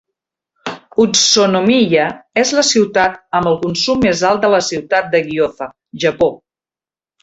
Utsunomiya és la ciutat amb el consum més alt de la ciutat de Gyoza, Japó.